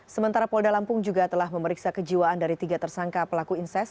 sementara polda lampung juga telah memeriksa kejiwaan dari tiga tersangka pelaku inses